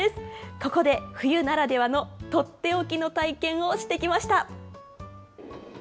ここで、冬ならではの取って置きの体験をしてきました。